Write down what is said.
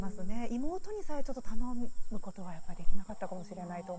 妹にさえちょっと頼むことはやっぱりできなかったかもしれないと思ったり。